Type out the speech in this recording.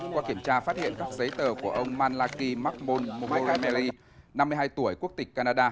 qua kiểm tra phát hiện các giấy tờ của ông malaki magmol mogulmeri năm mươi hai tuổi quốc tịch canada